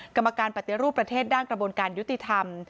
กรรมการปฏิรูปประเทศด้านกระบวนการยุติธรรม